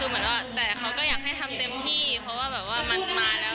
เพราะว่าแบบว่ามันมาแล้วค่ะ